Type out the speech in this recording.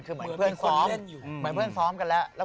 เหมือนเพื่อนซ้อมกันแล้ว